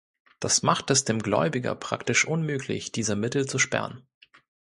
Das macht es dem Gläubiger praktisch unmöglich, diese Mittel zu sperren.